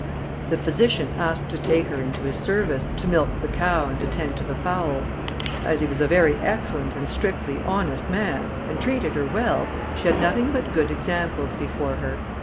The physician asked to take her into his service, to milk the cow and attend to the fowls. As he was a very excellent and strictly honest man, and treated her well, she had nothing but good examples before her.